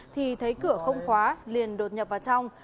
thì thấy cửa không khóa liền đột nhập vào trong